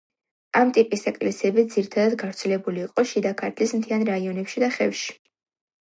ამ ტიპის ეკლესიები ძირითადად გავრცელებული იყო შიდა ქართლის მთიან რაიონებში და ხევში.